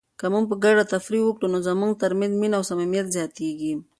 که موږ په ګډه تفریح وکړو نو زموږ ترمنځ مینه او صمیمیت زیاتیږي.